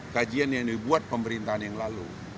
kajian yang dibuat pemerintahan yang lalu